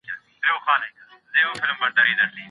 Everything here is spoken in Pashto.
نارينه څنګه پر ښځو باندې غالب سوي وه؟